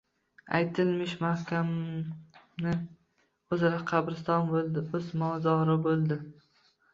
Aytilmish mahkamani o‘z qabristoni bo‘ldi. O’z mo-zori bo‘ldi.